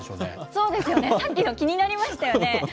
そうですよね、さっきの、気になりましたよね。